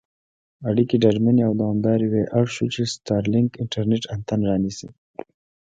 اړیکې ډاډمنې او دوامدارې وي اړ شو، چې سټارلېنک انټرنېټ انتن رانیسي.